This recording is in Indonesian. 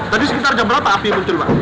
tadi sekitar jam berapa api muncul pak